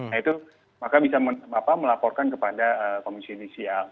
nah itu maka bisa melaporkan kepada komunis yudisial